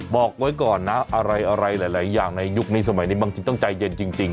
บอกไว้ก่อนนะอะไรหลายอย่างในยุคนี้สมัยนี้บางทีต้องใจเย็นจริง